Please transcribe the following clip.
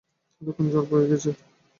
এতক্ষণ ঝড় বয়ে গেছে এখানে।